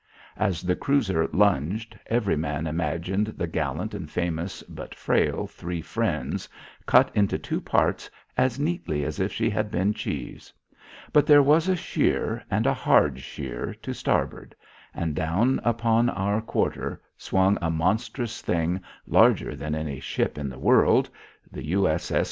As the cruiser lunged every man imagined the gallant and famous but frail Three Friends cut into two parts as neatly as if she had been cheese. But there was a sheer and a hard sheer to starboard, and down upon our quarter swung a monstrous thing larger than any ship in the world the U.S.S.